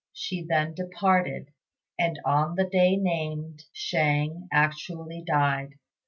She then departed, and on the day named Shang actually died.